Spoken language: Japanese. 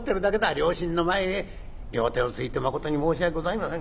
両親の前へ両手をついて『まことに申し訳ございません。